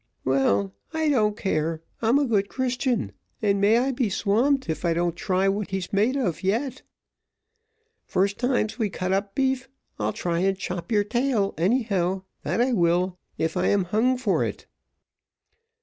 Well, I don't care, I'm a good Christian, and may I be swamped if I don't try what he's made of yet! First time we cuts up beef, I'll try and chop your tail, anyhow, that I will, if I am hung for it."